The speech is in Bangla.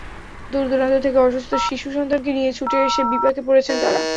দূর দূরান্ত থেকে অসুস্থ শিশুসন্তানকে নিয়ে ছুটে এসে বিপাকে পড়েছেন তাঁরা।